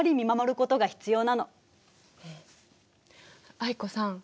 藍子さん